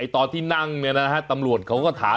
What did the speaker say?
ตอนที่นั่งเนี่ยนะฮะตำรวจเขาก็ถาม